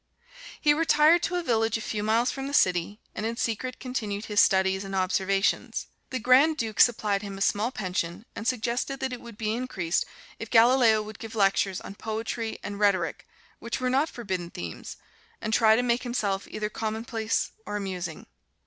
He retired to a village a few miles from the city, and in secret continued his studies and observations. The Grand Duke supplied him a small pension and suggested that it would be increased if Galileo would give lectures on Poetry and Rhetoric, which were not forbidden themes, and try to make himself either commonplace or amusing.